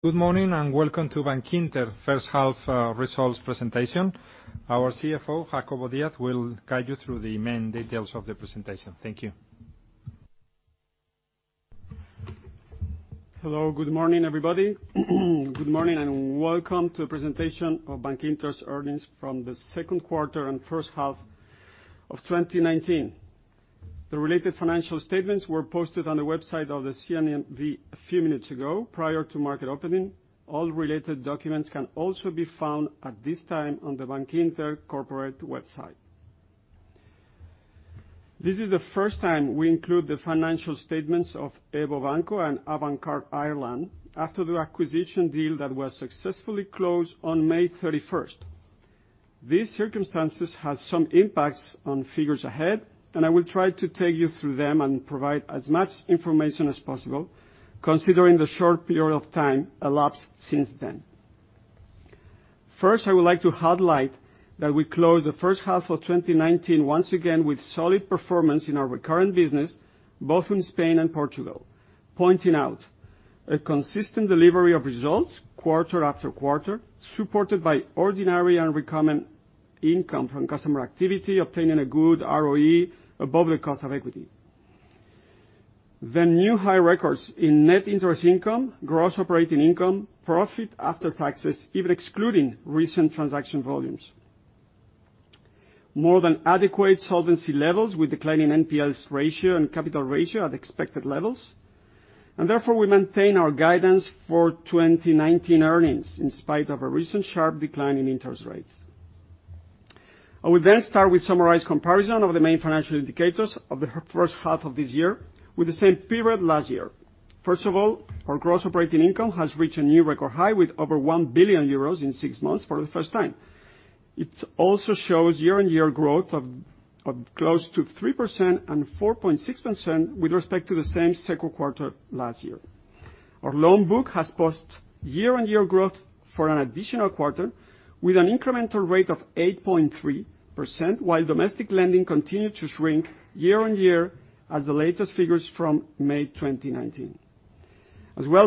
Good morning, and welcome to Bankinter first half results presentation. Our CFO, Jacobo Díaz, will guide you through the main details of the presentation. Thank you. Hello. Good morning, everybody. Good morning and welcome to the presentation of Bankinter's earnings from the second quarter and first half of 2019. The related financial statements were posted on the website of the CNMV a few minutes ago, prior to market opening. All related documents can also be found at this time on the Bankinter corporate website. This is the first time we include the financial statements of EVO Banco and Avantcard Ireland, after the acquisition deal that was successfully closed on May 31st. These circumstances have some impacts on figures ahead, and I will try to take you through them and provide as much information as possible, considering the short period of time elapsed since then. First, I would like to highlight that we closed the first half of 2019, once again, with solid performance in our recurrent business, both in Spain and Portugal. Pointing out a consistent delivery of results quarter after quarter, supported by ordinary and recurrent income from customer activity, obtaining a good ROE above the cost of equity. New high records in net interest income, gross operating income, profit after taxes, even excluding recent transaction volumes. More than adequate solvency levels with declining NPLs ratio and capital ratio at expected levels. Therefore, we maintain our guidance for 2019 earnings, in spite of a recent sharp decline in interest rates. I will start with summarized comparison of the main financial indicators of the first half of this year with the same period last year. First of all, our gross operating income has reached a new record high with over 1 billion euros in six months for the first time. It also shows year-on-year growth of close to 3% and 4.6% with respect to the same second quarter last year. Our loan book has post year-on-year growth for an additional quarter, with an incremental rate of 8.3%, while domestic lending continued to shrink year-on-year, as the latest figures from May 2019.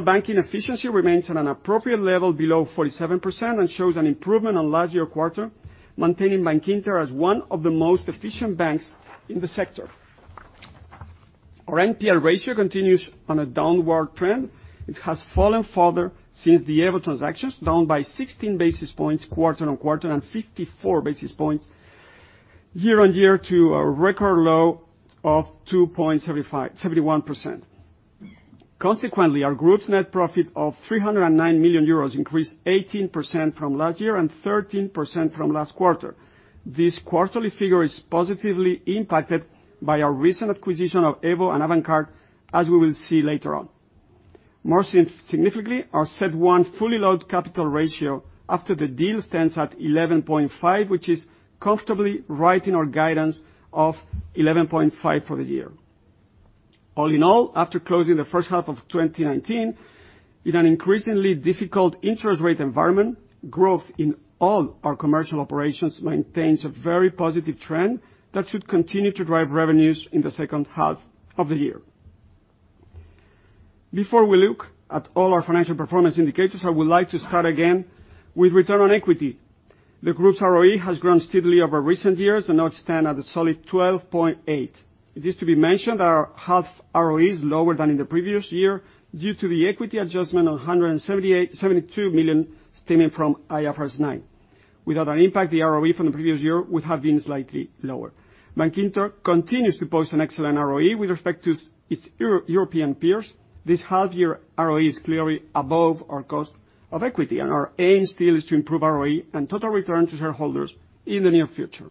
Banking efficiency remains at an appropriate level below 47% and shows an improvement on last year quarter, maintaining Bankinter as one of the most efficient banks in the sector. Our NPL ratio continues on a downward trend. It has fallen further since the EVO transactions, down by 16 basis points quarter-on-quarter, and 54 basis points year-on-year to a record low of 2.71%. Our group's net profit of 309 million euros increased 18% from last year and 13% from last quarter. This quarterly figure is positively impacted by our recent acquisition of EVO and Avantcard, as we will see later on. More significantly, our CET1 fully loaded capital ratio after the deal stands at 11.5, which is comfortably right in our guidance of 11.5 for the year. All in all, after closing the first half of 2019 in an increasingly difficult interest rate environment, growth in all our commercial operations maintains a very positive trend that should continue to drive revenues in the second half of the year. Before we look at all our financial performance indicators, I would like to start again with return on equity. The group's ROE has grown steadily over recent years and now stand at a solid 12.8. It is to be mentioned our half ROE is lower than in the previous year due to the equity adjustment of 172 million stemming from IFRS 9. Without an impact, the ROE from the previous year would have been slightly lower. Bankinter continues to post an excellent ROE with respect to its European peers. This half year ROE is clearly above our cost of equity, and our aim still is to improve ROE and total return to shareholders in the near future.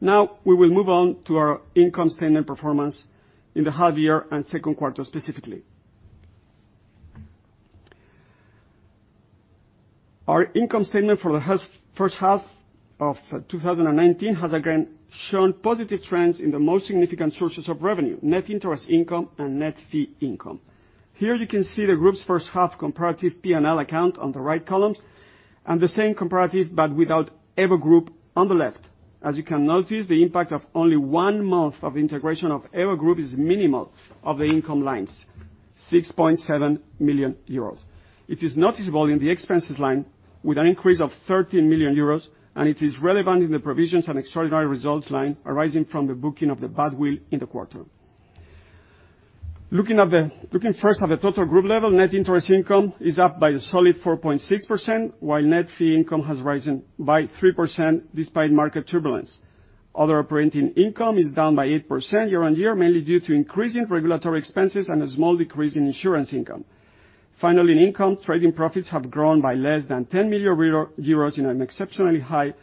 Now, we will move on to our income statement performance in the half year and second quarter, specifically. Our income statement for the first half of 2019 has again shown positive trends in the most significant sources of revenue, net interest income and net fee income. Here you can see the group's first half comparative P&L account on the right column, and the same comparative but without EVO group on the left. As you can notice, the impact of only one month of integration of EVO group is minimal of the income lines, 6.7 million euros. It is noticeable in the expenses line with an increase of 13 million euros, and it is relevant in the provisions and extraordinary results line arising from the booking of the badwill in the quarter. Looking first at the total group level, net interest income is up by a solid 4.6%, while net fee income has risen by 3% despite market turbulence. Other operating income is down by 8% year-on-year, mainly due to increasing regulatory expenses and a small decrease in insurance income. Finally, in income, trading profits have grown by less than 10 million euros in an exceptionally high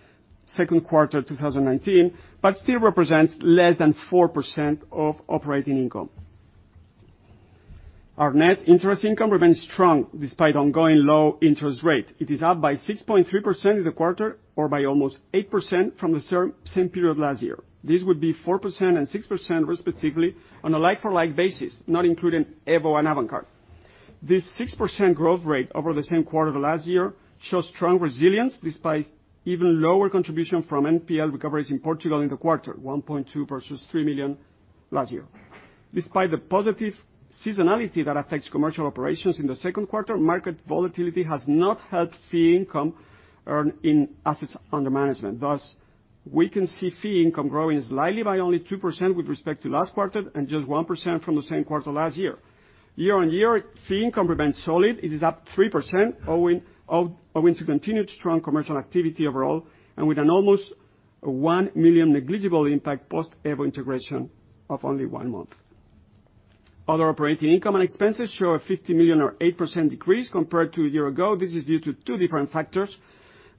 second quarter 2019, but still represents less than 4% of operating income. Our net interest income remains strong despite ongoing low interest rate. It is up by 6.3% in the quarter, or by almost 8% from the same period last year. This would be 4% and 6% respectively on a like-for-like basis, not including EVO and Avantcard. This 6% growth rate over the same quarter last year shows strong resilience despite even lower contribution from NPL recoveries in Portugal in the quarter, 1.2 million versus 3 million last year. Despite the positive seasonality that affects commercial operations in the second quarter, market volatility has not helped fee income earn in assets under management. We can see fee income growing slightly by only 2% with respect to last quarter, and just 1% from the same quarter last year. Year on year, fee income remains solid. It is up 3%, owing to continued strong commercial activity overall, and with an almost 1 million negligible impact post EVO integration of only one month. Other operating income and expenses show a 50 million or 8% decrease compared to a year ago. This is due to two different factors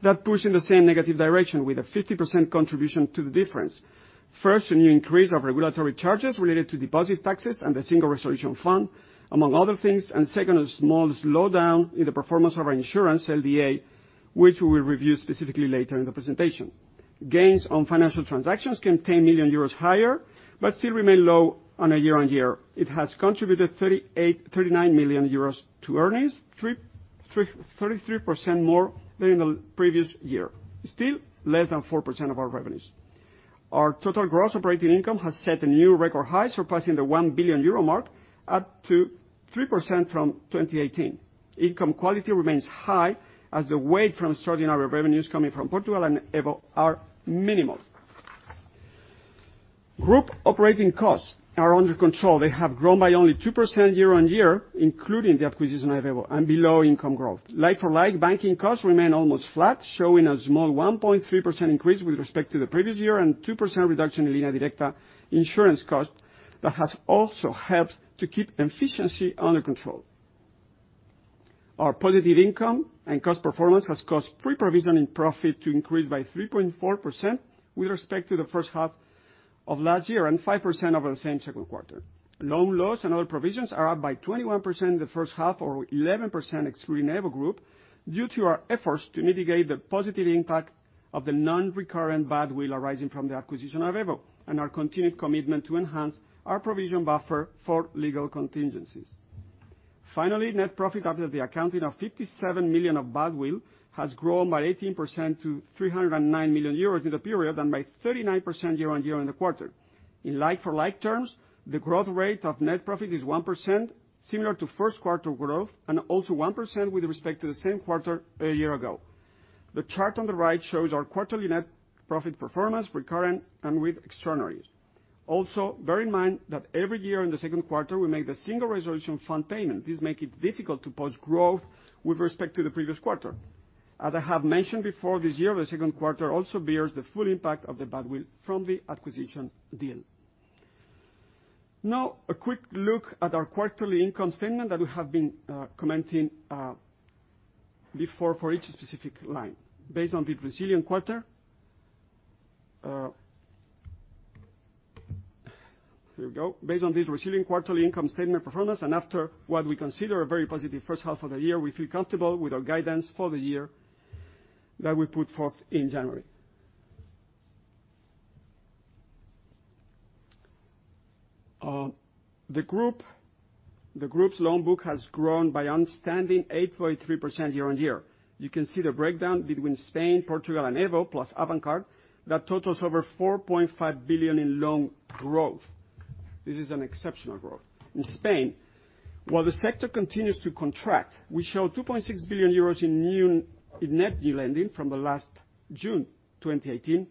that push in the same negative direction, with a 50% contribution to the difference. First, a new increase of regulatory charges related to deposit taxes and the Single Resolution Fund, among other things. Second, a small slowdown in the performance of our insurance, LDA, which we will review specifically later in the presentation. Gains on financial transactions contain 1 million euros higher, but still remain low on a year-over-year. It has contributed 39 million euros to earnings, 33% more than in the previous year. Still less than 4% of our revenues. Our total gross operating income has set a new record high, surpassing the 1 billion euro mark, up to 3% from 2018. Income quality remains high, as the weight from extraordinary revenues coming from Portugal and EVO are minimal. Group operating costs are under control. They have grown by only 2% year on year, including the acquisition of EVO, and below income growth. Like for like, banking costs remain almost flat, showing a small 1.3% increase with respect to the previous year, and 2% reduction in Línea Directa insurance cost that has also helped to keep efficiency under control. Our positive income and cost performance has caused pre-provision in profit to increase by 3.4% with respect to the first half of last year, and 5% over the same second quarter. Loan loss and all provisions are up by 21% in the first half, or 11% excluding EVO group, due to our efforts to mitigate the positive impact of the non-recurrent badwill arising from the acquisition of EVO, and our continued commitment to enhance our provision buffer for legal contingencies. Net profit after the accounting of 57 million of badwill has grown by 18% to 309 million euros in the period, and by 39% year-on-year in the quarter. In like-for-like terms, the growth rate of net profit is 1%, similar to first quarter growth, and also 1% with respect to the same quarter a year ago. The chart on the right shows our quarterly net profit performance, recurrent and with extraordinary. Bear in mind that every year in the second quarter, we make the Single Resolution Fund payment. This make it difficult to post growth with respect to the previous quarter. As I have mentioned before, this year, the second quarter also bears the full impact of the badwill from the acquisition deal. A quick look at our quarterly income statement that we have been commenting before for each specific line. Based on the resilient quarter. Based on this resilient quarterly income statement performance, and after what we consider a very positive first half of the year, we feel comfortable with our guidance for the year that we put forth in January. The group's loan book has grown by outstanding 8.3% year-over-year. You can see the breakdown between Spain, Portugal, and EVO, plus Avantcard, that totals over 4.5 billion in loan growth. This is an exceptional growth. In Spain, while the sector continues to contract, we show 2.6 billion euros in net new lending from the last June 2018,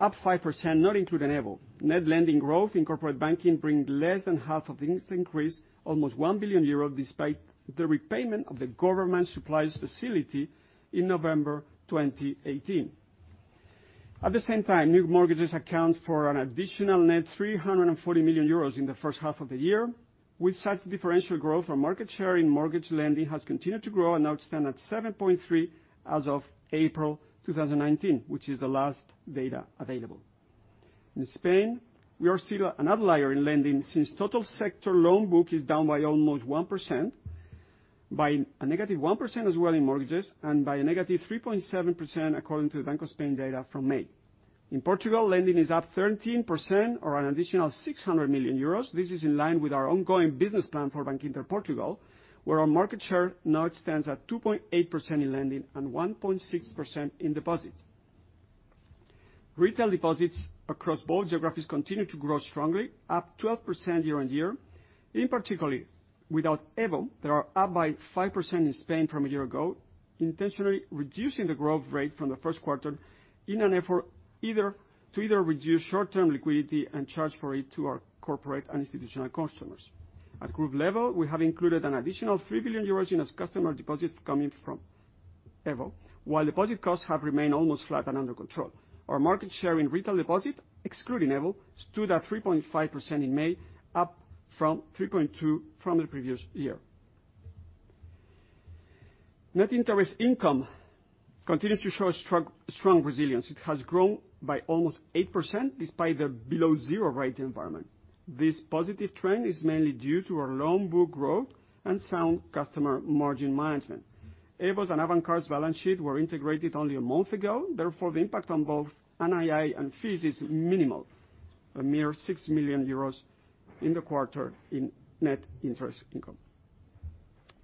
up 5%, not including EVO. Net lending growth in corporate banking bring less than half of the interest increase, almost 1 billion euros, despite the repayment of the government supplies facility in November 2018. At the same time, new mortgages account for an additional net 340 million euros in the first half of the year. With such differential growth, our market share in mortgage lending has continued to grow and now stand at 7.3 as of April 2019, which is the last data available. In Spain, we are still an outlier in lending, since total sector loan book is down by almost 1%, by a negative 1% as well in mortgages, and by a negative 3.7% according to the Banco de España data from May. In Portugal, lending is up 13%, or an additional 600 million euros. This is in line with our ongoing business plan for Bankinter Portugal, where our market share now stands at 2.8% in lending and 1.6% in deposits. Retail deposits across both geographies continue to grow strongly, up 12% year-over-year. In particular, without EVO, that are up by 5% in Spain from a year ago, intentionally reducing the growth rate from the first quarter in an effort to either reduce short-term liquidity and charge for it to our corporate and institutional customers. At group level, we have included an additional 3 billion euros in as customer deposits coming from EVO, while deposit costs have remained almost flat and under control. Our market share in retail deposit, excluding EVO, stood at 3.5% in May, up from 3.2 from the previous year. Net interest income continues to show strong resilience. It has grown by almost 8% despite the below zero rate environment. This positive trend is mainly due to our loan book growth and sound customer margin management. EVO's and Avantcard's balance sheet were integrated only a month ago, therefore, the impact on both NII and fees is minimal. A mere 6 million euros in the quarter in net interest income.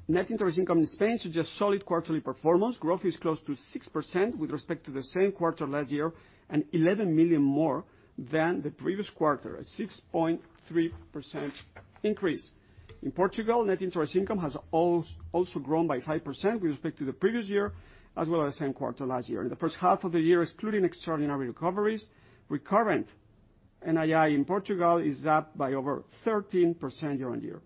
Net interest income in Spain suggests solid quarterly performance. Growth is close to 6% with respect to the same quarter last year, and 11 million more than the previous quarter, a 6.3% increase. In Portugal, net interest income has also grown by 5% with respect to the previous year, as well as the same quarter last year. In the first half of the year, excluding extraordinary recoveries, recurrent NII in Portugal is up by over 13% year-on-year.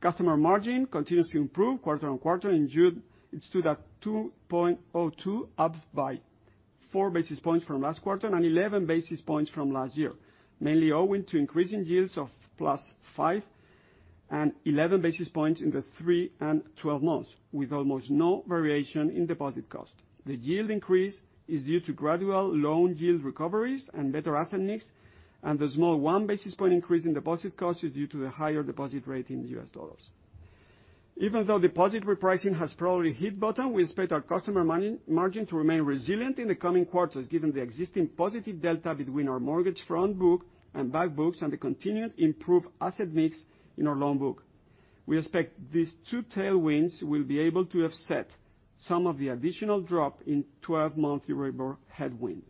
Customer margin continues to improve quarter-on-quarter. In June, it stood at 2.02, up by four basis points from last quarter and 11 basis points from last year, mainly owing to increasing yields of +5 and 11 basis points in the three and 12 months, with almost no variation in deposit cost. The yield increase is due to gradual loan yield recoveries and better asset mix, and the small one basis point increase in deposit cost is due to the higher deposit rate in the US dollars. Even though deposit repricing has probably hit bottom, we expect our customer margin to remain resilient in the coming quarters, given the existing positive delta between our mortgage front book and back books, and the continued improved asset mix in our loan book. We expect these two tailwinds will be able to offset some of the additional drop in 12-month Euribor headwind.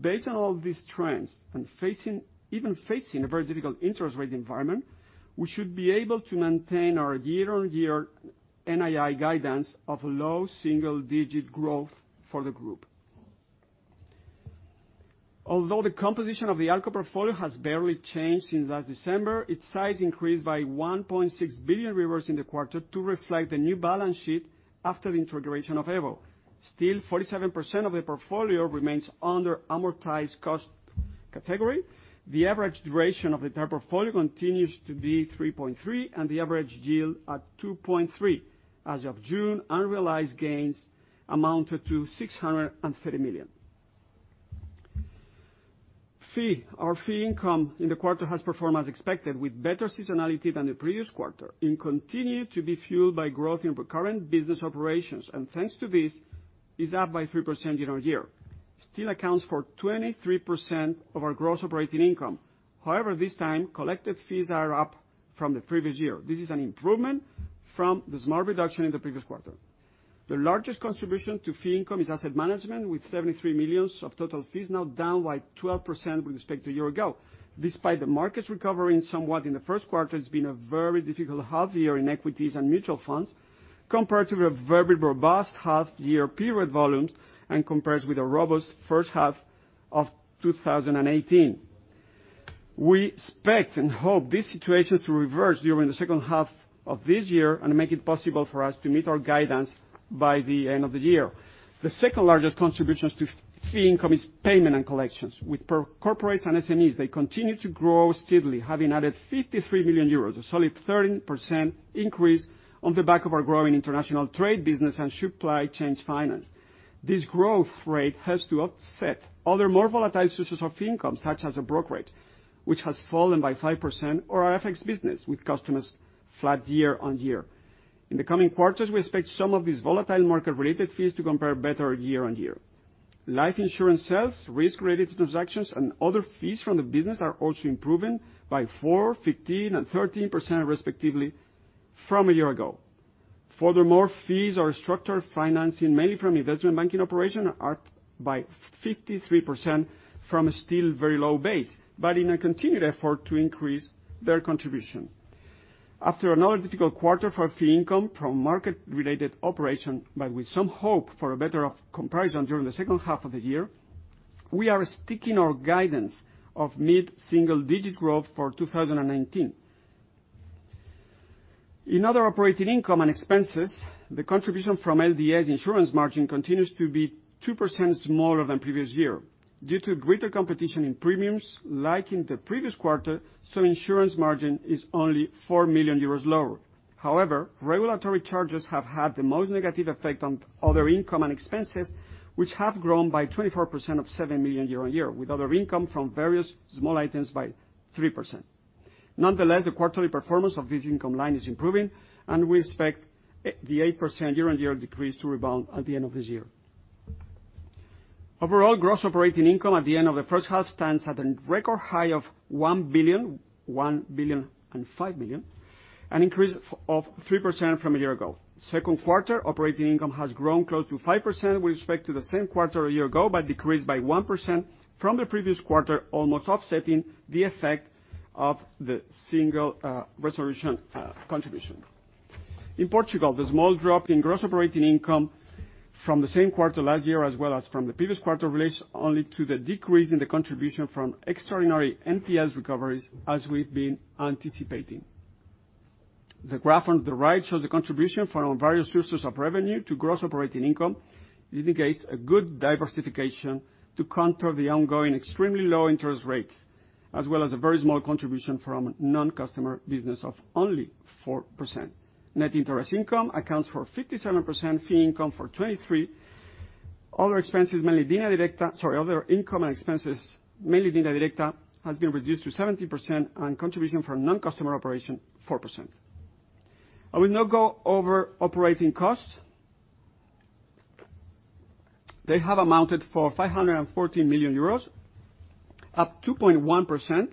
Based on all these trends, and even facing a very difficult interest rate environment, we should be able to maintain our year-on-year NII guidance of low single-digit growth for the group. Although the composition of the ALCO portfolio has barely changed since last December, its size increased by 1.6 billion in the quarter to reflect the new balance sheet after the integration of EVO. Forty-seven percent of the portfolio remains under amortized cost category. The average duration of the entire portfolio continues to be 3.3, and the average yield at 2.3. As of June, unrealized gains amounted to EUR 630 million. Fee. Our fee income in the quarter has performed as expected, with better seasonality than the previous quarter. It continued to be fueled by growth in recurrent business operations, thanks to this, is up by 3% year-on-year. Accounts for 23% of our gross operating income. This time, collected fees are up from the previous year. This is an improvement from the small reduction in the previous quarter. The largest contribution to fee income is asset management, with 73 million in total fees, now down by 12% with respect to a year ago. Despite the markets recovering somewhat in the first quarter, it's been a very difficult half-year in equities and mutual funds, compared to a very robust half-year period volumes, and compared with a robust first half of 2018. We expect and hope these situations to reverse during the second half of this year and make it possible for us to meet our guidance by the end of the year. The second largest contributions to fee income is payment and collections. With corporates and SMEs, they continue to grow steadily, having added 53 million euros, a solid 13% increase on the back of our growing international trade business and supply chain finance. This growth rate helps to offset other more volatile sources of income, such as a brokerage rate, which has fallen by 5%, or our FX business, with customers flat year on year. In the coming quarters, we expect some of these volatile market-related fees to compare better year on year. Life insurance sales, risk-related transactions, and other fees from the business are also improving by 4%, 15%, and 13%, respectively, from a year ago. Furthermore, fees or structured financing, mainly from investment banking operations, are up by 53% from a still very low base, but in a continued effort to increase their contribution. After another difficult quarter for fee income from market-related operations, but with some hope for a better comparison during the second half of the year, we are sticking our guidance of mid-single digit growth for 2019. In other operating income and expenses, the contribution from LDA's insurance margin continues to be 2% smaller than previous year. Due to greater competition in premiums, like in the previous quarter, some insurance margin is only 4 million euros lower. However, regulatory charges have had the most negative effect on other income and expenses, which have grown by 24% of 7 million year-on-year, with other income from various small items by 3%. Nonetheless, the quarterly performance of this income line is improving, and we expect the 8% year-on-year decrease to rebound at the end of this year. Overall, gross operating income at the end of the first half stands at a record high of 1.005 billion, an increase of 3% from a year ago. Second quarter operating income has grown close to 5% with respect to the same quarter a year ago, but decreased by 1% from the previous quarter, almost offsetting the effect of the Single Resolution contribution. In Portugal, the small drop in gross operating income from the same quarter last year, as well as from the previous quarter, relates only to the decrease in the contribution from extraordinary NPL recoveries, as we've been anticipating. The graph on the right shows the contribution from various sources of revenue to gross operating income. It indicates a good diversification to counter the ongoing extremely low interest rates, as well as a very small contribution from non-customer business of only 4%. Net interest income accounts for 57%, fee income for 23%. Other income and expenses, mainly Línea Directa, has been reduced to 17%, and contribution from non-customer operation, 4%. I will now go over operating costs. They have amounted for 514 million euros, up 2.1%.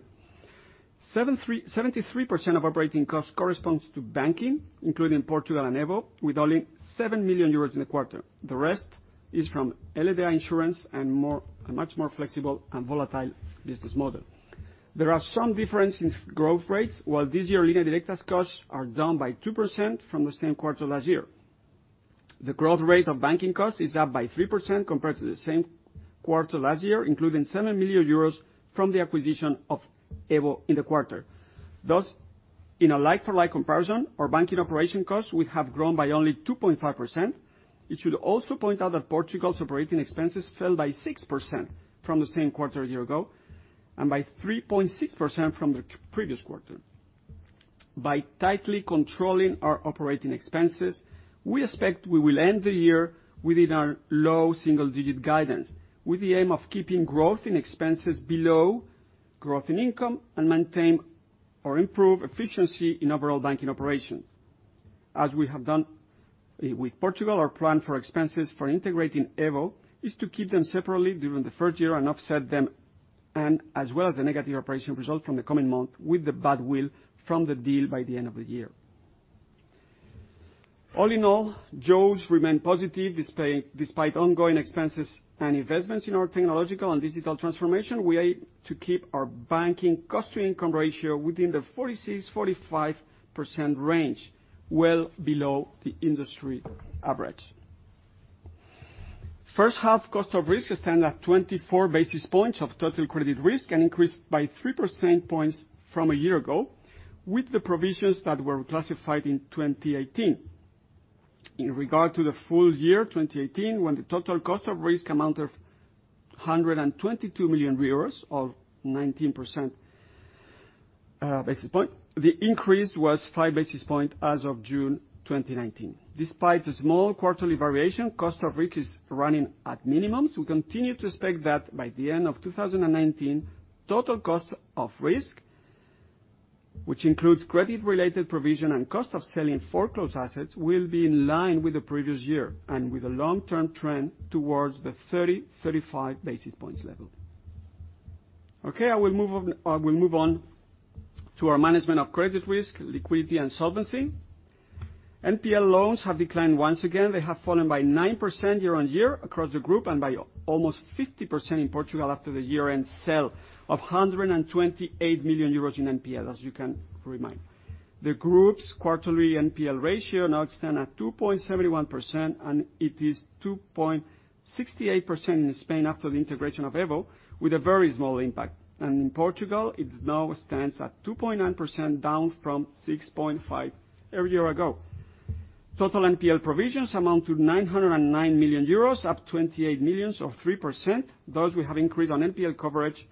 73% of operating costs corresponds to banking, including Portugal and EVO, with only 7 million euros in the quarter. The rest is from LDA insurance and a much more flexible and volatile business model. There are some difference in growth rates. While this year Línea Directa's costs are down by 2% from the same quarter last year. The growth rate of banking costs is up by 3% compared to the same quarter last year, including 7 million euros from the acquisition of EVO in the quarter. Thus, in a like-for-like comparison, our banking operation costs would have grown by only 2.5%. It should also point out that Portugal's operating expenses fell by 6% from the same quarter a year ago, and by 3.6% from the previous quarter. By tightly controlling our operating expenses, we expect we will end the year within our low single-digit guidance, with the aim of keeping growth in expenses below growth in income and maintain or improve efficiency in overall banking operations. As we have done with Portugal, our plan for expenses for integrating EVO is to keep them separately during the first year and offset them, and as well as the negative operation results from the coming month with the goodwill from the deal by the end of the year. All in all, jaws remain positive despite ongoing expenses and investments in our technological and digital transformation. We aim to keep our banking cost to income ratio within the 46, 45% range, well below the industry average. First half cost of risk stands at 24 basis points of total credit risk and increased by 3 percentage points from a year ago, with the provisions that were classified in 2018. In regard to the full year 2018, when the total cost of risk amount of 122 million euros or 19 basis points, the increase was five basis points as of June 2019. Despite the small quarterly variation, cost of risk is running at minimums. We continue to expect that by the end of 2019, total cost of risk, which includes credit-related provision and cost of selling foreclosed assets, will be in line with the previous year and with a long-term trend towards the 30, 35 basis points level. Okay, I will move on to our management of credit risk, liquidity, and solvency. NPL loans have declined once again. They have fallen by 9% year-on-year across the group and by almost 50% in Portugal after the year-end sale of 128 million euros in NPL, as you can remind. The group's quarterly NPL ratio now stand at 2.71%, and it is 2.68% in Spain after the integration of EVO, with a very small impact. In Portugal, it now stands at 2.9%, down from 6.5% a year ago. Total NPL provisions amount to 909 million euros, up 28 million or 3%. Thus, we have increased our NPL coverage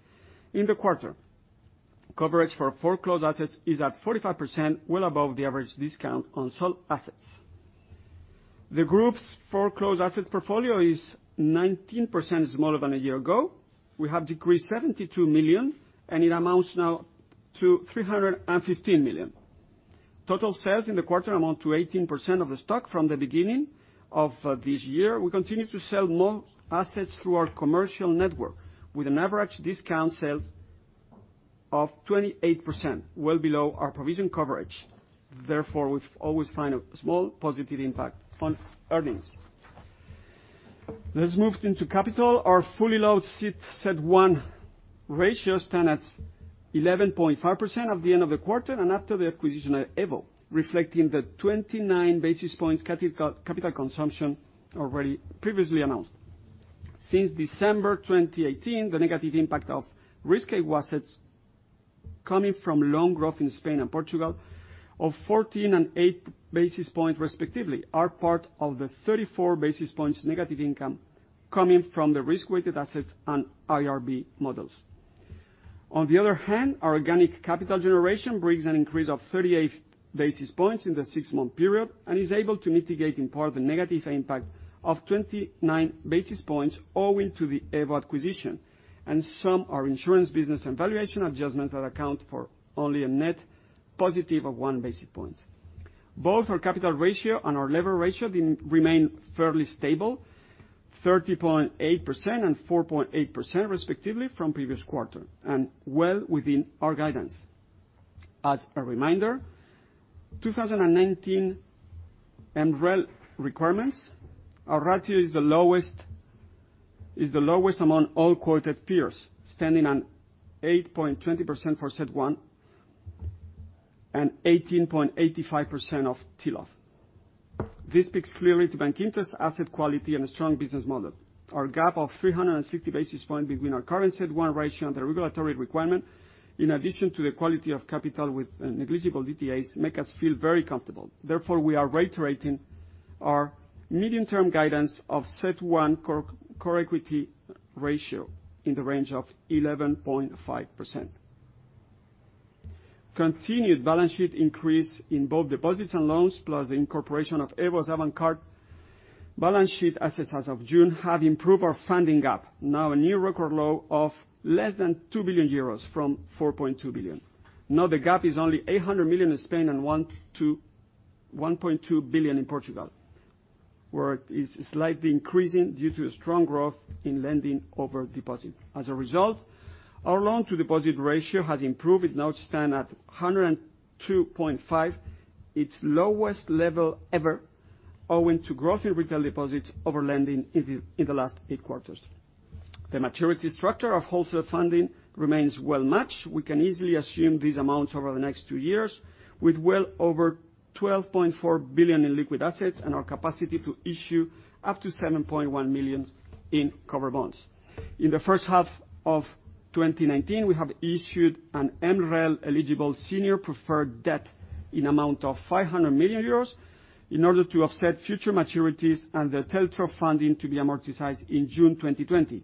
in the quarter. Coverage for foreclosed assets is at 45%, well above the average discount on sold assets. The group's foreclosed assets portfolio is 19% smaller than a year ago. We have decreased 72 million, and it amounts now to 315 million. Total sales in the quarter amount to 18% of the stock from the beginning of this year. We continue to sell more assets through our commercial network with an average discount sales of 28%, well below our provision coverage. We've always found a small positive impact on earnings. Let's move into capital. Our fully loaded CET1 ratio stands at 11.5% at the end of the quarter and after the acquisition of EVO, reflecting the 29 basis points capital consumption already previously announced. Since December 2018, the negative impact of risk-weighted assets coming from loan growth in Spain and Portugal of 14 and eight basis points, respectively, are part of the 34 basis points negative income coming from the risk-weighted assets and IRB models. Our organic capital generation brings an increase of 38 basis points in the six-month period and is able to mitigate in part the negative impact of 29 basis points owing to the EVO acquisition. Some are insurance business and valuation adjustments that account for only a net positive of one basis point. Both our capital ratio and our lever ratio remain fairly stable, 30.8% and 4.8% respectively from previous quarter, and well within our guidance. As a reminder, 2019 MREL requirements, our ratio is the lowest among all quoted peers, standing on 8.20% for CET1 and 18.85% of TLAC. This speaks clearly to Bankinter's asset quality and a strong business model. Our gap of 360 basis points between our current CET1 ratio and the regulatory requirement, in addition to the quality of capital with negligible DTAs, make us feel very comfortable. Therefore, we are reiterating our medium-term guidance of CET1 core equity ratio in the range of 11.5%. Continued balance sheet increase in both deposits and loans, plus the incorporation of EVO's Avantcard balance sheet assets as of June, have improved our funding gap. Now a new record low of less than 2 billion euros from 4.2 billion. Now the gap is only 800 million in Spain and 1,021.2 billion in Portugal, where it is slightly increasing due to strong growth in lending over deposit. As a result, our loan-to-deposit ratio has improved. It now stands at 102.5%, its lowest level ever, owing to growth in retail deposits over lending in the last eight quarters. The maturity structure of wholesale funding remains well matched. We can easily assume these amounts over the next two years, with well over 12.4 billion in liquid assets and our capacity to issue up to 7.1 million in covered bonds. In the first half of 2019, we have issued an MREL-eligible senior preferred debt in amount of 500 million euros in order to offset future maturities and the TLTRO funding to be amortized in June 2020.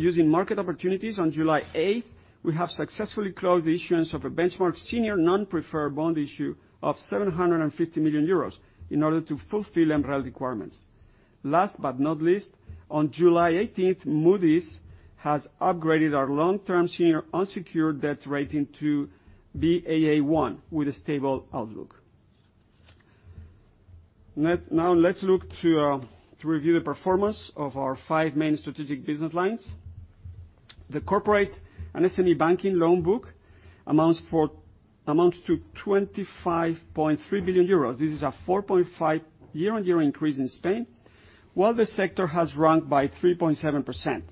Using market opportunities, on July 8th, we have successfully closed the issuance of a benchmark senior non-preferred bond issue of 750 million euros in order to fulfill MREL requirements. On July 18th, Moody's has upgraded our long-term senior unsecured debt rating to Baa1 with a stable outlook. Let's look to review the performance of our five main strategic business lines. The corporate and SME banking loan book amounts to 25.3 billion euros. This is a 4.5% year-on-year increase in Spain, while the sector has shrunk by 3.7%.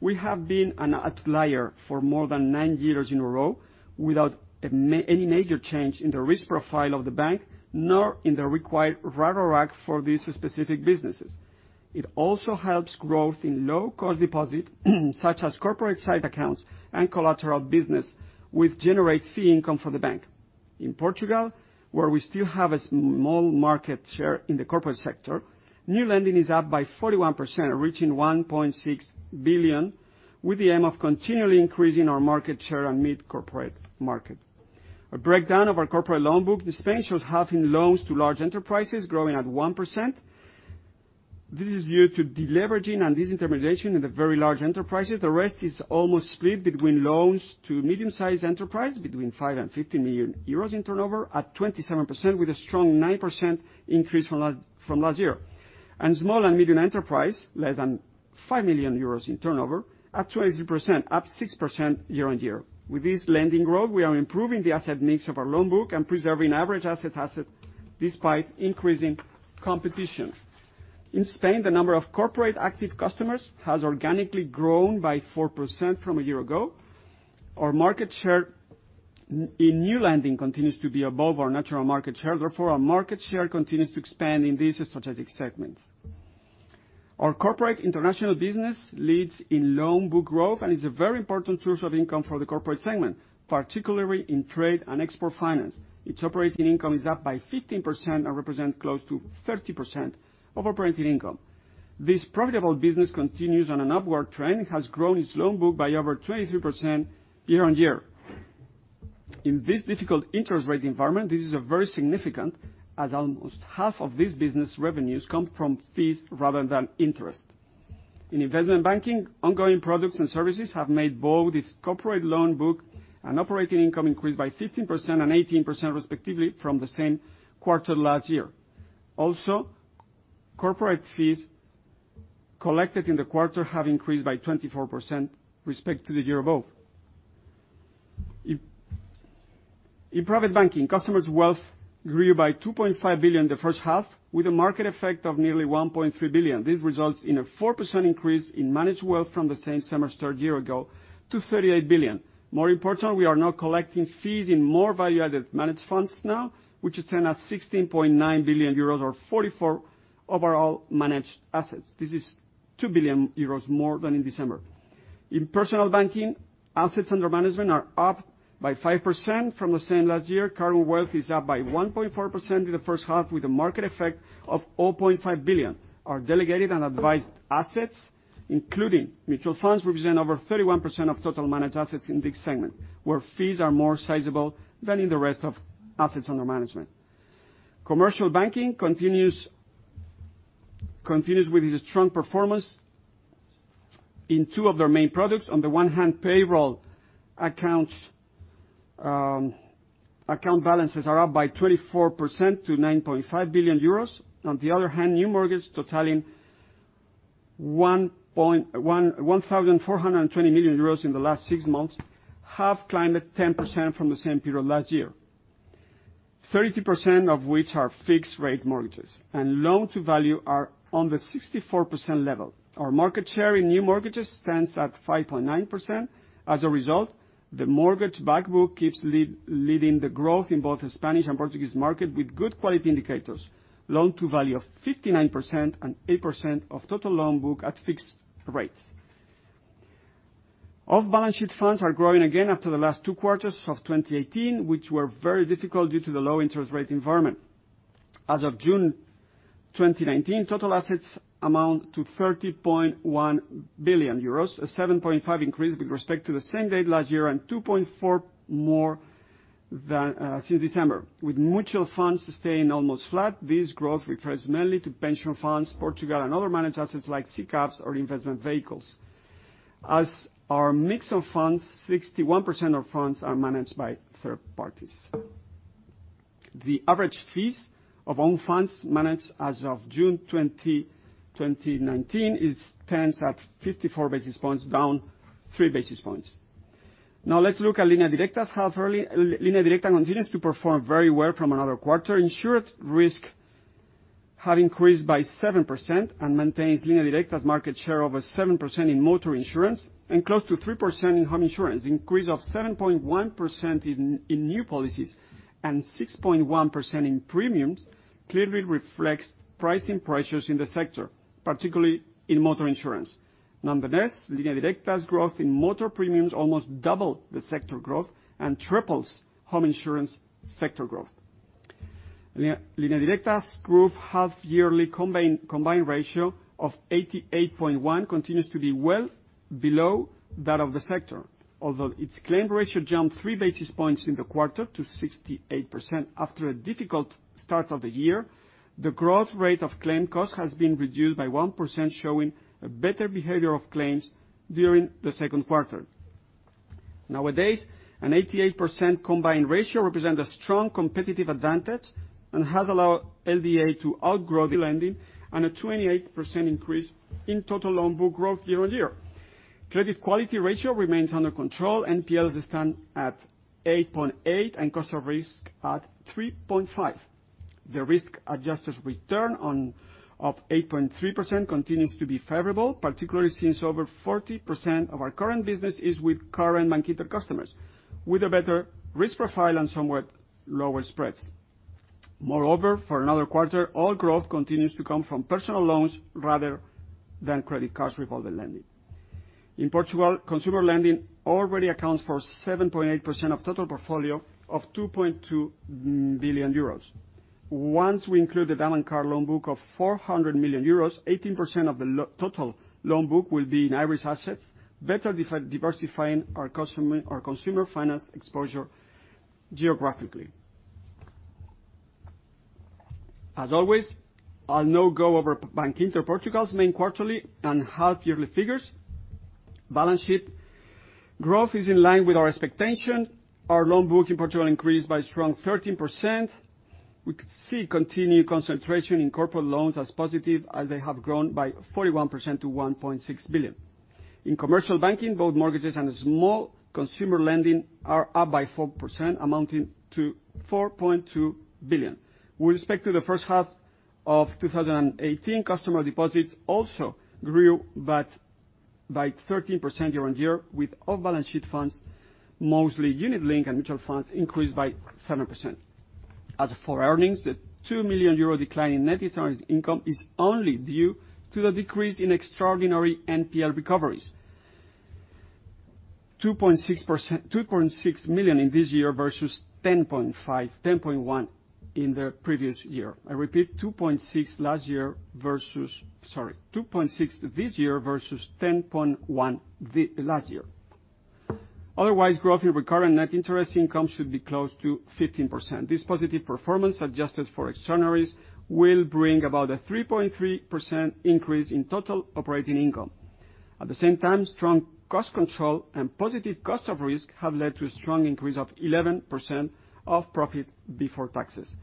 We have been an outlier for more than nine years in a row without any major change in the risk profile of the bank, nor in the required regulatory capital for these specific businesses. It also helps growth in low-cost deposits, such as corporate site accounts and collateral business, which generate fee income for the bank. In Portugal, where we still have a small market share in the corporate sector, new lending is up by 41%, reaching 1.6 billion, with the aim of continually increasing our market share and meet corporate market. A breakdown of our corporate loan book in Spain shows half in loans to large enterprises growing at 1%. This is due to deleveraging and disintermediation in the very large enterprises. The rest is almost split between loans to medium-sized enterprise, between 5 million euros and 50 million euros in turnover, at 27%, with a strong 9% increase from last year. Small and medium enterprise, less than 5 million euros in turnover, at 23%, up 6% year-on-year. With this lending growth, we are improving the asset mix of our loan book and preserving average asset despite increasing competition. In Spain, the number of corporate active customers has organically grown by 4% from a year ago. Our market share in new lending continues to be above our natural market share. Therefore, our market share continues to expand in these strategic segments. Our corporate international business leads in loan book growth and is a very important source of income for the corporate segment, particularly in trade and export finance. Its operating income is up by 15% and represents close to 30% of operating income. This profitable business continues on an upward trend. It has grown its loan book by over 23% year-on-year. In this difficult interest rate environment, this is very significant, as almost half of this business revenues come from fees rather than interest. In investment banking, ongoing products and services have made both its corporate loan book and operating income increase by 15% and 18%, respectively, from the same quarter last year. Corporate fees collected in the quarter have increased by 24% respect to the year above. In private banking, customers' wealth grew by 2.5 billion in the first half, with a market effect of nearly 1.3 billion. This results in a 4% increase in managed wealth from the same semester a year ago to 38 billion. More important, we are now collecting fees in more value-added managed funds now, which stand at 16.9 billion euros or 44% overall managed assets. This is 2 billion euros more than in December. In personal banking, assets under management are up by 5% from the same last year. Customer wealth is up by 1.4% in the first half with a market effect of 0.5 billion. Our delegated and advised assets, including mutual funds, represent over 31% of total managed assets in this segment, where fees are more sizable than in the rest of assets under management. Commercial banking continues with its strong performance in two of their main products. On the one hand, payroll account balances are up by 24% to 9.5 billion euros. On the other hand, new mortgages totaling 1,420 million euros in the last six months have climbed at 10% from the same period last year, 32% of which are fixed rate mortgages, and loan to value are on the 64% level. Our market share in new mortgages stands at 5.9%. As a result, the mortgage-backed book keeps leading the growth in both the Spanish and Portuguese market with good quality indicators. Loan-to-value of 59% and 8% of total loan book at fixed rates. Off-balance sheet funds are growing again after the last two quarters of 2018, which were very difficult due to the low interest rate environment. As of June 2019, total assets amount to 30.1 billion euros, a 7.5% increase with respect to the same date last year and 2.4% more since December. With mutual funds staying almost flat, this growth refers mainly to pension funds, Portugal, and other managed assets like SICAV or investment vehicles. As our mix of funds, 61% of funds are managed by third parties. The average fees of own funds managed as of June 2019 stands at 54 basis points, down three basis points. Now let's look at Línea Directa's half yearly. Línea Directa continues to perform very well from another quarter. Insured risk have increased by 7% and maintains Línea Directa's market share over 7% in motor insurance and close to 3% in home insurance. Increase of 7.1% in new policies and 6.1% in premiums clearly reflects pricing pressures in the sector, particularly in motor insurance. Línea Directa's growth in motor premiums almost double the sector growth and triples home insurance sector growth. Línea Directa's group half yearly combined ratio of 88.1 continues to be well below that of the sector. Although its claim ratio jumped three basis points in the quarter to 68% after a difficult start of the year. The growth rate of claim costs has been reduced by 1%, showing a better behavior of claims during the second quarter. Nowadays, an 88% combined ratio represent a strong competitive advantage and has allowed LDA to outgrow the lending and a 28% increase in total loan book growth year on year. Credit quality ratio remains under control. NPLs stand at 8.8 and cost of risk at 3.5. The risk-adjusted return of 8.3% continues to be favorable, particularly since over 40% of our current business is with current Bankinter customers, with a better risk profile and somewhat lower spreads. Moreover, for another quarter, all growth continues to come from personal loans rather than credit cards revolving lending. In Portugal, consumer lending already accounts for 7.8% of total portfolio of 2.2 billion euros. Once we include the Avantcard loan book of 400 million euros, 18% of the total loan book will be in Irish assets, better diversifying our consumer finance exposure geographically. As always, I will now go over Bankinter Portugal's main quarterly and half yearly figures. Balance sheet growth is in line with our expectation. Our loan book in Portugal increased by a strong 13%. We could see continued concentration in corporate loans as positive as they have grown by 41% to 1.6 billion. In commercial banking, both mortgages and small consumer lending are up by 4%, amounting to 4.2 billion. With respect to the first half of 2018, customer deposits also grew by 13% year-over-year, with off-balance sheet funds, mostly unit-linked and mutual funds, increased by 7%. As for earnings, the 2 million euro decline in net interest income is only due to the decrease in extraordinary NPL recoveries. 2.6 million in this year versus 10.1 million in the previous year. I repeat, 2.6 million this year versus 10.1 million last year. Otherwise, growth in recurrent net interest income should be close to 15%. This positive performance, adjusted for extraordinaries, will bring about a 3.3% increase in total operating income. At the same time, strong cost control and positive cost of risk have led to a strong increase of 11% of profit before taxes.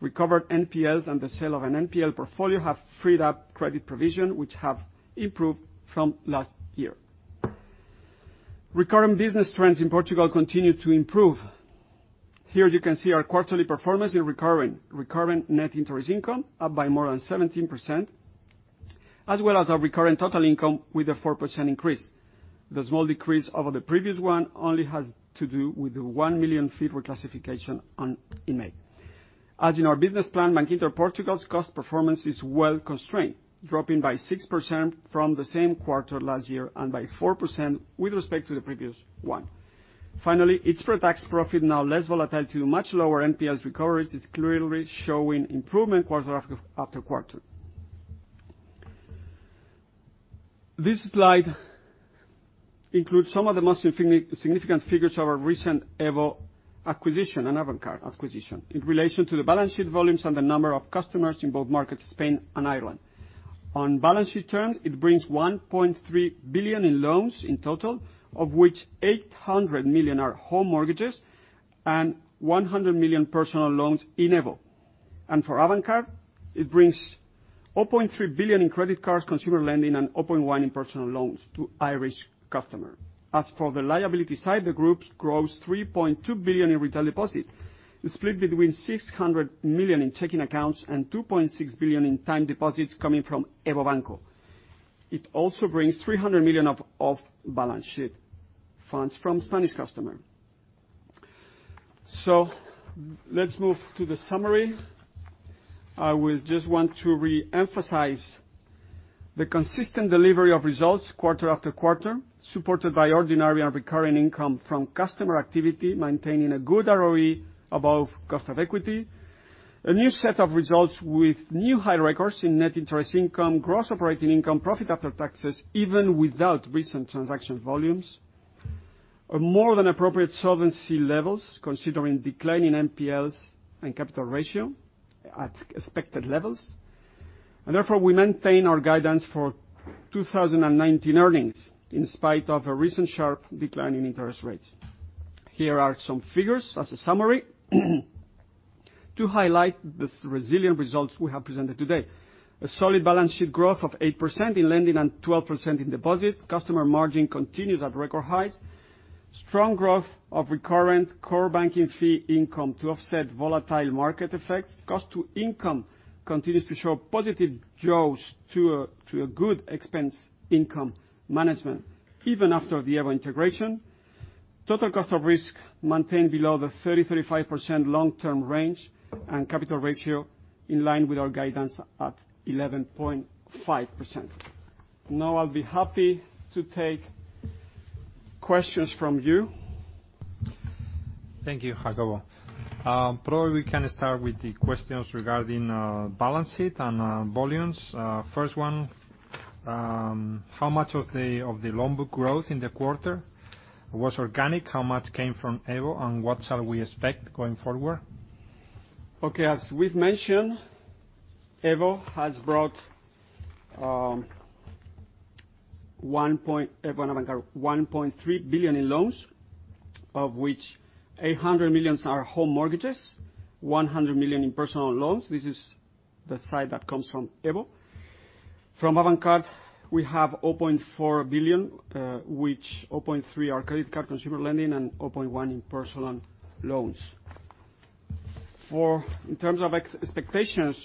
Recovered NPLs and the sale of an NPL portfolio have freed up credit provision, which have improved from last year. Recurrent business trends in Portugal continue to improve. Here you can see our quarterly performance in recurrent net interest income, up by more than 17%, as well as our recurrent total income with a 4% increase. The small decrease over the previous one only has to do with the 1 million fee reclassification in May. As in our business plan, Bankinter Portugal's cost performance is well constrained, dropping by 6% from the same quarter last year and by 4% with respect to the previous one. Finally, its pre-tax profit, now less volatile due much lower NPLs recoveries, is clearly showing improvement quarter after quarter. This slide includes some of the most significant figures of our recent EVO acquisition and Avantcard acquisition in relation to the balance sheet volumes and the number of customers in both markets, Spain and Ireland. On balance sheet terms, it brings 1.3 billion in loans in total, of which 800 million are home mortgages and 100 million personal loans in EVO. For Avantcard, it brings 0.3 billion in credit cards, consumer lending, and 0.1 in personal loans to Irish customer. As for the liability side, the groups grows 3.2 billion in retail deposits, split between 600 million in checking accounts and 2.6 billion in time deposits coming from EVO Banco. It also brings 300 million of off-balance sheet funds from Spanish customer. Let's move to the summary. I would just want to reemphasize the consistent delivery of results quarter after quarter, supported by ordinary and recurring income from customer activity, maintaining a good ROE above cost of equity. A new set of results with new high records in net interest income, gross operating income, profit after taxes, even without recent transaction volumes are more than appropriate solvency levels, considering declining NPLs and capital ratio at expected levels. Therefore, we maintain our guidance for 2019 earnings in spite of a recent sharp decline in interest rates. Here are some figures as a summary to highlight the resilient results we have presented today. A solid balance sheet growth of 8% in lending and 12% in deposit. Customer margin continues at record highs. Strong growth of recurrent core banking fee income to offset volatile market effects. Cost to income continues to show positive growth to a good expense income management, even after the EVO integration. Total cost of risk maintained below the 30%-35% long-term range, and capital ratio in line with our guidance at 11.5%. Now I'll be happy to take questions from you. Thank you, Jacobo. Probably we can start with the questions regarding balance sheet and volumes. First one, how much of the loan book growth in the quarter was organic? How much came from EVO, and what shall we expect going forward? Okay. As we've mentioned, EVO and Avantcard, 1.3 billion in loans, of which 800 million are home mortgages, 100 million in personal loans. This is the side that comes from EVO. From Avantcard, we have 0.4 billion, of which 0.3 billion are credit card consumer lending and 0.1 billion in personal loans. In terms of expectations,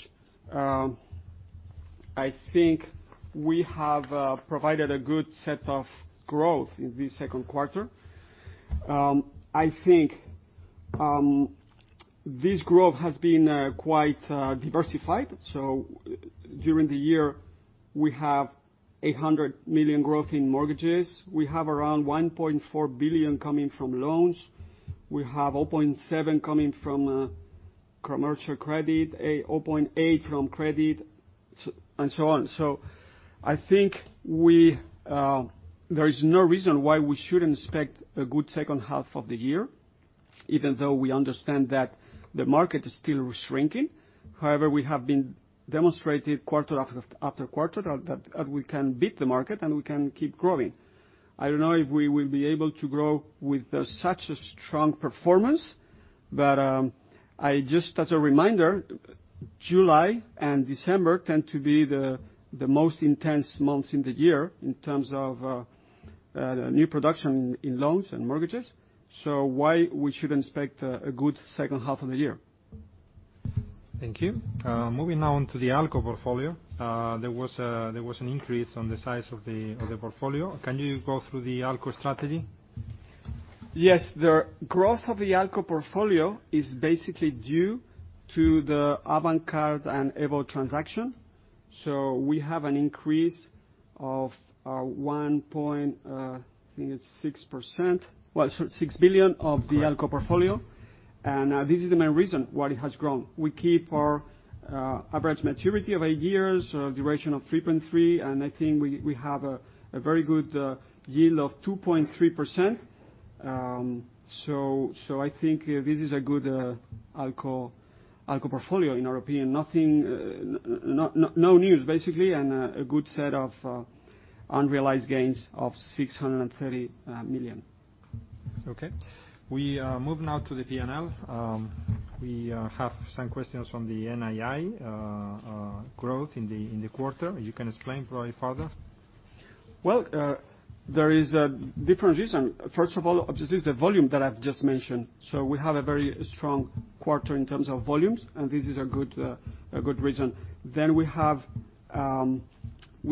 I think we have provided a good set of growth in this second quarter. I think this growth has been quite diversified. During the year, we have 800 million growth in mortgages. We have around 1.4 billion coming from loans. We have 0.7 billion coming from commercial credit, 0.8 billion from credit, and so on. I think there is no reason why we shouldn't expect a good second half of the year, even though we understand that the market is still shrinking. We have been demonstrated quarter after quarter that we can beat the market, and we can keep growing. I don't know if we will be able to grow with such a strong performance, just as a reminder, July and December tend to be the most intense months in the year in terms of new production in loans and mortgages. Why we should expect a good second half of the year? Thank you. Moving on to the ALCO portfolio. There was an increase on the size of the portfolio. Can you go through the ALCO strategy? Yes. The growth of the ALCO portfolio is basically due to the Avantcard and EVO transaction. We have an increase of 1 point, I think it's 6%. Well, 6 billion of the ALCO portfolio. This is the main reason why it has grown. We keep our average maturity of eight years, duration of 3.3, and I think we have a very good yield of 2.3%. I think this is a good ALCO portfolio in our opinion. No news, basically, and a good set of unrealized gains of 630 million. Okay. We move now to the P&L. We have some questions from the NII growth in the quarter. You can explain probably further. There is a different reason. First of all, obviously, it's the volume that I've just mentioned. We have a very strong quarter in terms of volumes, and this is a good reason. We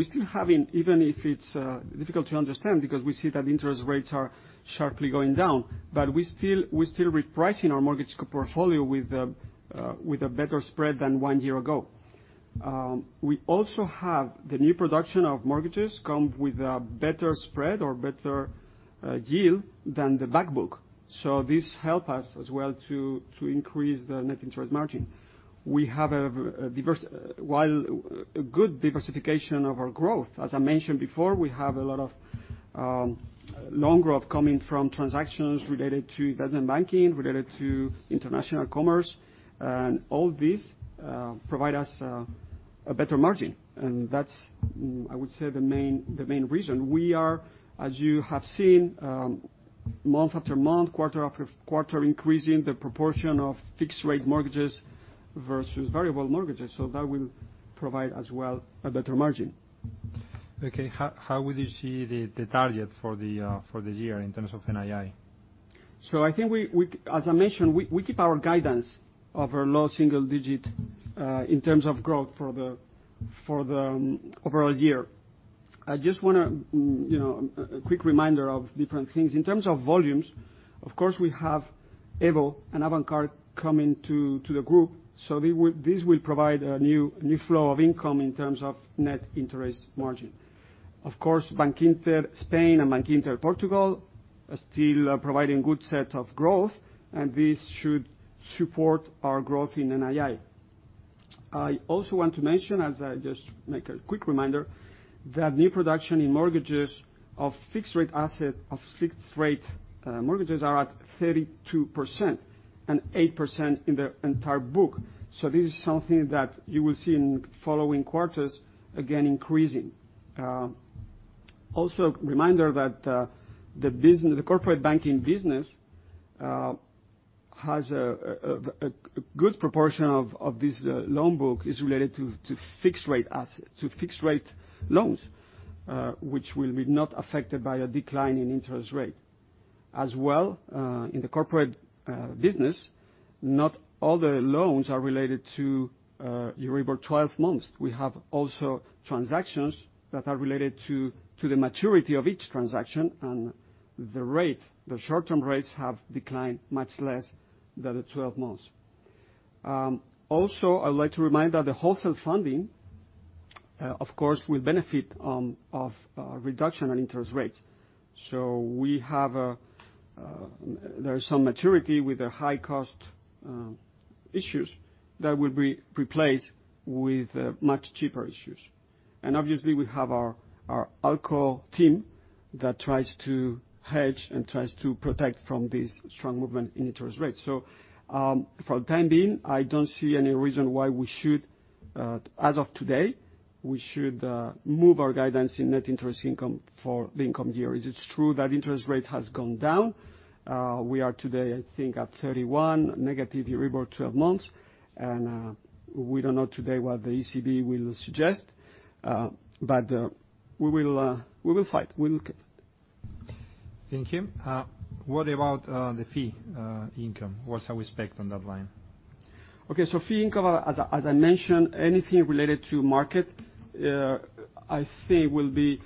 still having, even if it's difficult to understand because we see that interest rates are sharply going down, but we're still repricing our mortgage portfolio with a better spread than one year ago. We also have the new production of mortgages come with a better spread or better yield than the back book. This help us as well to increase the net interest margin. We have a good diversification of our growth. As I mentioned before, we have a lot of loan growth coming from transactions related to investment banking, related to international commerce, and all this provide us a better margin, and that's, I would say, the main reason. We are, as you have seen, month after month, quarter after quarter, increasing the proportion of fixed rate mortgages versus variable mortgages. That will provide as well a better margin. Okay. How would you see the target for this year in terms of NII? I think, as I mentioned, we keep our guidance of a low single digit in terms of growth for the overall year. I just want a quick reminder of different things. In terms of volumes, of course, we have EVO and Avantcard coming to the group. This will provide a new flow of income in terms of net interest margin. Of course, Bankinter Spain and Bankinter Portugal are still providing good set of growth, and this should support our growth in NII. I also want to mention, as I just make a quick reminder, that new production in mortgages of fixed rate asset, of fixed rate mortgages are at 32% and 8% in the entire book. This is something that you will see in following quarters, again, increasing. Reminder that the corporate banking business has a good proportion of this loan book is related to fixed rate loans, which will be not affected by a decline in interest rate. In the corporate business, not all the loans are related to Euribor 12 months. We have also transactions that are related to the maturity of each transaction, and the short-term rates have declined much less than the 12 months. I would like to remind that the wholesale funding, of course, will benefit of reduction on interest rates. There is some maturity with the high cost issues that will be replaced with much cheaper issues. Obviously, we have our ALCO team that tries to hedge and tries to protect from this strong movement in interest rates. For the time being, I don't see any reason why, as of today, we should move our guidance in net interest income for the income year. It's true that interest rate has gone down. We are today, I think, at 31 negative Euribor 12 months, and we don't know today what the ECB will suggest. We will fight. We will keep. Thank you. What about the fee income? What's our prospect on that line? Okay. Fee income, as I mentioned, anything related to market, I think, will be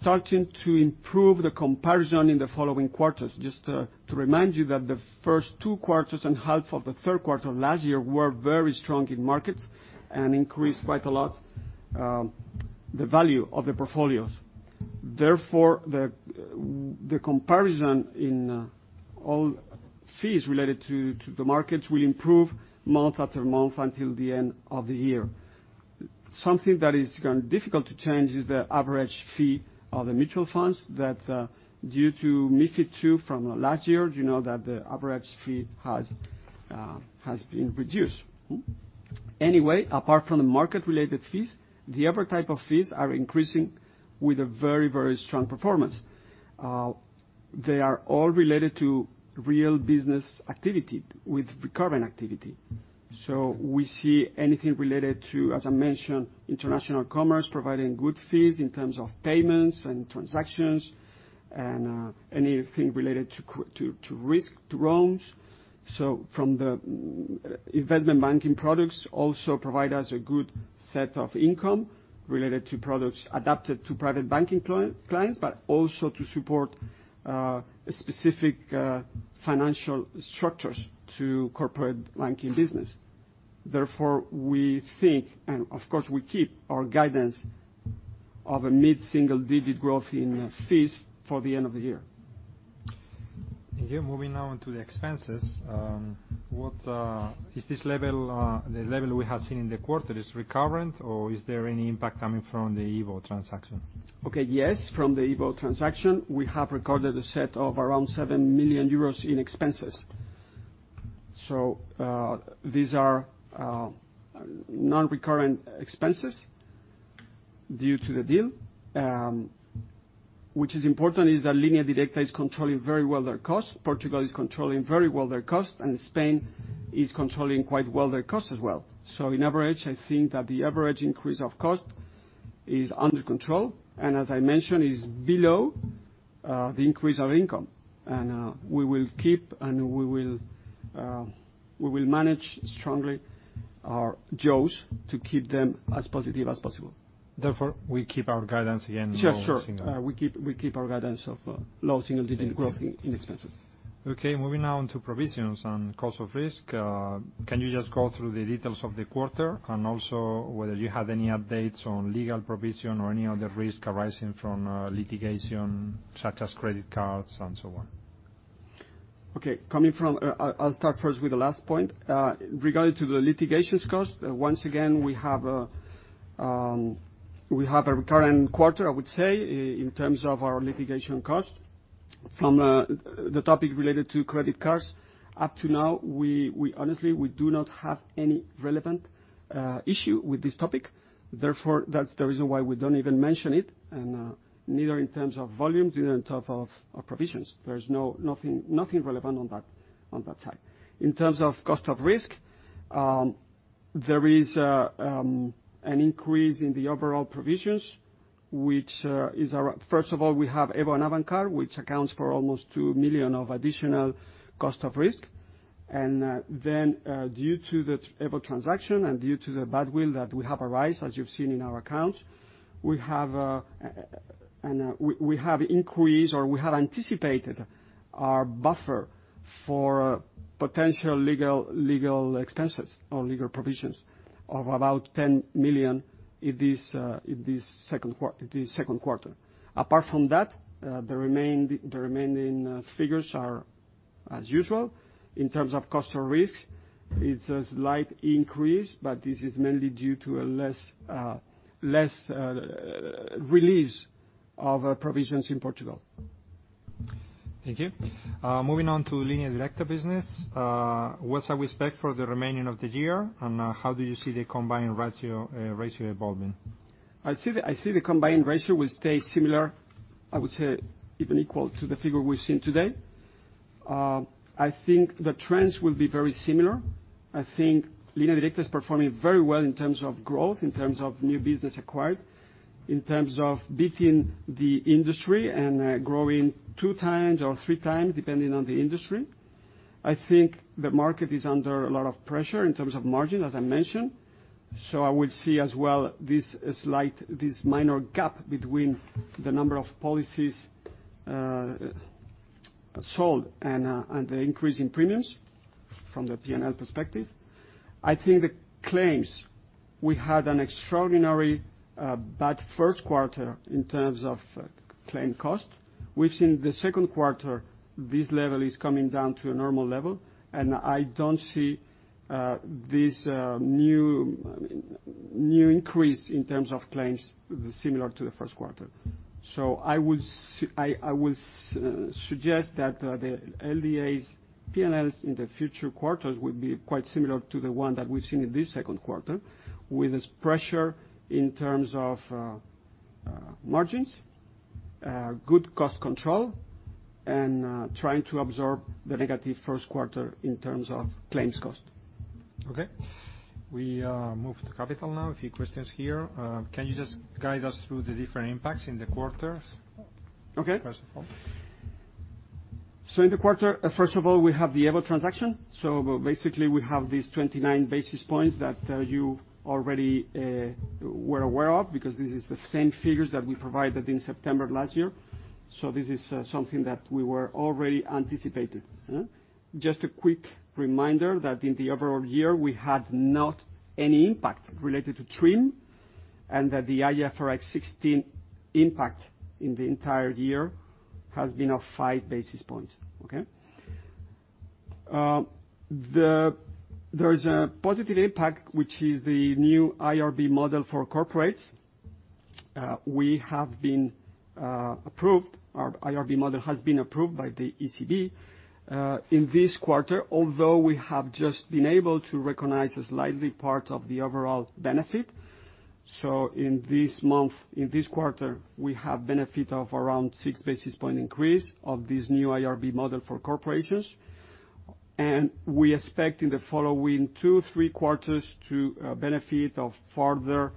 starting to improve the comparison in the following quarters. Just to remind you that the first two quarters and half of the third quarter last year were very strong in markets and increased quite a lot the value of the portfolios. Therefore, the comparison in all fees related to the markets will improve month after month until the end of the year. Something that is difficult to change is the average fee of the mutual funds that, due to MiFID II from last year, you know that the average fee has been reduced. Anyway, apart from the market-related fees, the other type of fees are increasing with a very strong performance. They are all related to real business activity with recurring activity. We see anything related to, as I mentioned, international commerce providing good fees in terms of payments and transactions and anything related to risk, to loans. From the investment banking products also provide us a good set of income related to products adapted to private banking clients, but also to support specific financial structures to corporate banking business. We think, and of course, we keep our guidance of a mid-single-digit growth in fees for the end of the year. Thank you. Moving now into the expenses. Is this level, the level we have seen in the quarter, is it recurrent, or is there any impact coming from the EVO transaction? Okay, yes, from the EVO transaction, we have recorded a set of around 7 million euros in expenses. These are non-recurrent expenses due to the deal. Which is important is that Línea Directa is controlling very well their cost, Portugal is controlling very well their cost, and Spain is controlling quite well their cost as well. In average, I think that the average increase of cost is under control, and as I mentioned, is below the increase of income. We will keep, and we will manage strongly our jaws to keep them as positive as possible. We keep our guidance again, low single. Sure. We keep our guidance of low single-digit growth in expenses. Moving now into provisions and cost of risk. Can you just go through the details of the quarter and also whether you have any updates on legal provision or any other risk arising from litigation, such as credit cards and so on? Okay. I'll start first with the last point. Regarding to the litigations cost, once again, we have a recurrent quarter, I would say, in terms of our litigation cost. From the topic related to credit cards, up to now, honestly, we do not have any relevant issue with this topic. Therefore, that's the reason why we don't even mention it, and neither in terms of volumes, neither in terms of provisions. There's nothing relevant on that side. In terms of cost of risk, there is an increase in the overall provisions. First of all, we have EVO and Avantcard, which accounts for almost 2 million of additional cost of risk. Due to the EVO transaction and due to the badwill that we have arised, as you've seen in our accounts, we have increased or we have anticipated our buffer for potential legal expenses or legal provisions of about 10 million in this second quarter. Apart from that, the remaining figures are as usual. In terms of cost or risk, it's a slight increase, this is mainly due to a less release of provisions in Portugal. Thank you. Moving on to Línea Directa business. What's our respect for the remaining of the year, and how do you see the combined ratio evolving? I see the combined ratio will stay similar, I would say, even equal to the figure we've seen today. I think the trends will be very similar. I think Línea Directa is performing very well in terms of growth, in terms of new business acquired, in terms of beating the industry and growing two times or three times, depending on the industry. I think the market is under a lot of pressure in terms of margin, as I mentioned. I would see as well this minor gap between the number of policies sold and the increase in premiums from the P&L perspective. I think the claims, we had an extraordinarily bad first quarter in terms of claim cost. We've seen the second quarter, this level is coming down to a normal level, and I don't see this new increase in terms of claims similar to the first quarter. I would suggest that the LDA's P&Ls in the future quarters would be quite similar to the one that we've seen in this second quarter, with this pressure in terms of margins, good cost control, and trying to absorb the negative first quarter in terms of claims cost. We move to capital now. A few questions here. Can you just guide us through the different impacts in the quarters? Okay. First of all. In the quarter, first of all, we have the EVO transaction. Basically, we have these 29 basis points that you already were aware of, because this is the same figures that we provided in September of last year. Just a quick reminder that in the overall year, we had not any impact related to TRIM and that the IFRS 16 impact in the entire year has been of 5 basis points. Okay? There's a positive impact, which is the new IRB model for corporates. Our IRB model has been approved by the ECB. In this quarter, although we have just been able to recognize a slightly part of the overall benefit. In this quarter, we have benefit of around 6 basis point increase of this new IRB model for corporations. We expect in the following two, three quarters to benefit of further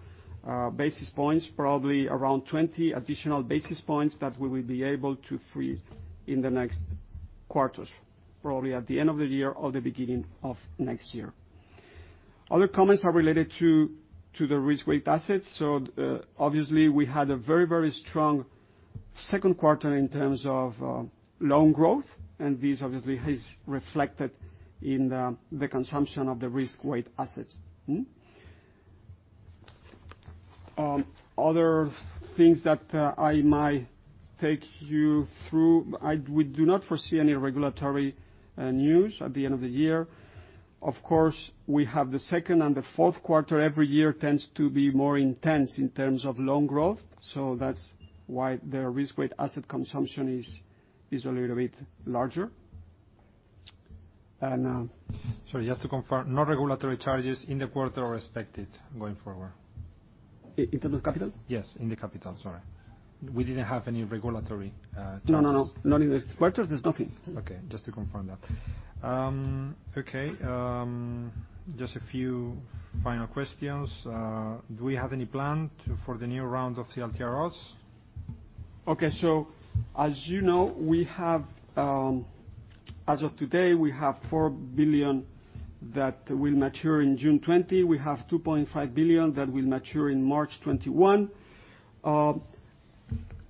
basis points, probably around 20 additional basis points that we will be able to free in the next quarters, probably at the end of the year or the beginning of next year. Other comments are related to the risk-weight assets. Obviously, we had a very strong second quarter in terms of loan growth, and this obviously is reflected in the consumption of the risk-weight assets. Other things that I might take you through, we do not foresee any regulatory news at the end of the year. Of course, we have the second and the fourth quarter every year tends to be more intense in terms of loan growth. That's why the risk-weight asset consumption is a little bit larger. Sorry, just to confirm, no regulatory charges in the quarter are expected going forward. In terms of capital? In the capital, sorry, we didn't have any regulatory charges. No. Not in this quarter, there's nothing. Okay, just to confirm that. Okay, just a few final questions. Do we have any plan for the new round of TLTROs? As of today, we have 4 billion that will mature in June 2020. We have 2.5 billion that will mature in March 2021.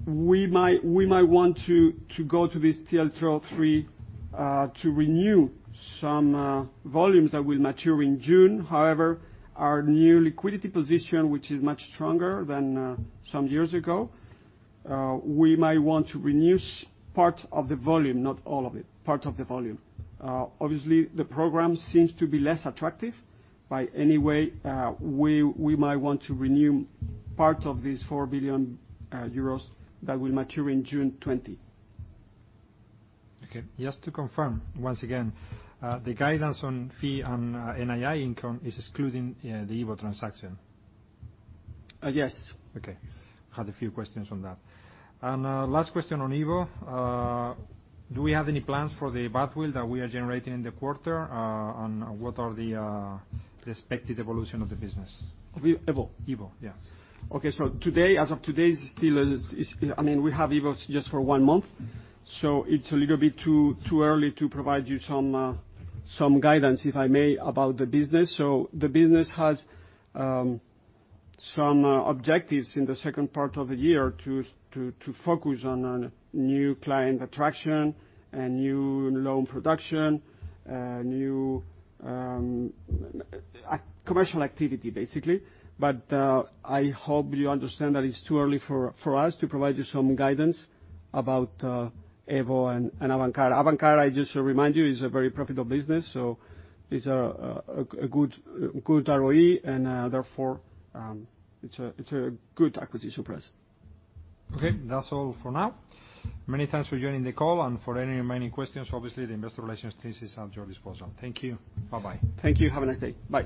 We might want to go to this TLTRO III to renew some volumes that will mature in June. Our new liquidity position, which is much stronger than some years ago, we might want to renew part of the volume, not all of it. Part of the volume. The program seems to be less attractive. By any way, we might want to renew part of this 4 billion euros that will mature in June 2020. Okay. Just to confirm once again, the guidance on fee on NII income is excluding the EVO transaction? Yes. Okay. Had a few questions on that. Last question on EVO. Do we have any plans for the goodwill that we are generating in the quarter? What are the expected evolution of the business? Of EVO? EVO, yes. As of today, we have EVO just for one month. It's a little bit too early to provide you some guidance, if I may, about the business. The business has some objectives in the second part of the year to focus on new client attraction and new loan production, new commercial activity, basically. I hope you understand that it's too early for us to provide you some guidance about EVO and Avantcard. Avantcard, I just remind you, is a very profitable business, so it's a good ROE, and therefore it's a good acquisition price. Okay, that's all for now. Many thanks for joining the call. For any remaining questions, obviously, the investor relations team is at your disposal. Thank you. Bye-bye. Thank you. Have a nice day. Bye.